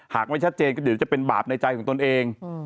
หากไม่ชัดเจนก็เดี๋ยวจะเป็นบาปในใจของตนเอง